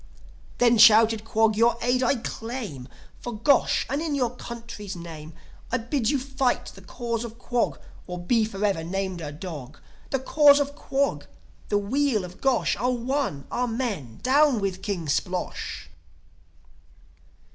"Then," shouted Quog, "your aid I claim For Gosh, and in your country's name I bid you fight the Cause of Quog, Or be for ever named a dog! The Cause of Quog, the weal of Gosh Are one! Amen. Down with King Splosh!"